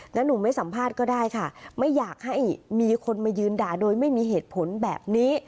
แล้วหนูไม่สัมภาษณ์ก็ได้ค่ะไม่อยากให้มีคนมายืนด่าโดยไม่มีเหตุผลแบบนี้